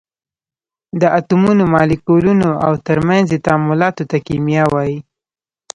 د اتومونو، مالیکولونو او تر منځ یې تعاملاتو ته کېمیا وایي.